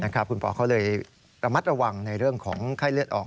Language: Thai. คุณปอเขาเลยระมัดระวังในเรื่องของไข้เลือดออก